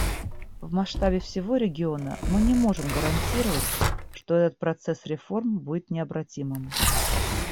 В масштабе всего региона мы не можем гарантировать, что этот процесс реформ будет необратимым.